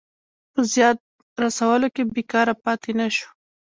په زیان رسولو کې بېکاره پاته نه شو.